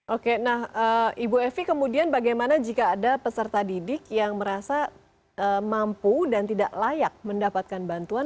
oke nah ibu evi kemudian bagaimana jika ada peserta didik yang merasa mampu dan tidak layak mendapatkan bantuan